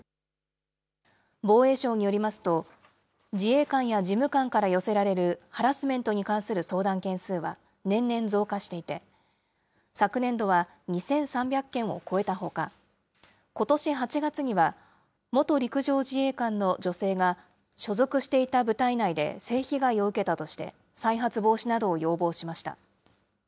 防衛省によりますと、自衛官や事務官から寄せられるハラスメントに関する相談件数は年々増加していて、昨年度は２３００件を超えたほか、ことし８月には、元陸上自衛官の女性が、所属していた部隊内で性被害を受けたとして、再発防止などを要望しました。